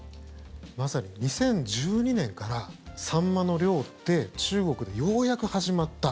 まさに２０１２年からサンマの漁って中国でようやく始まった。